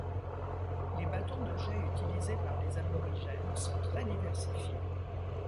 Les bâtons de jet utilisés par les Aborigènes sont très diversifiés.